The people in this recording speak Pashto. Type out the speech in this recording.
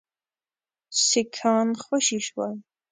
سیکهان خوشي شول.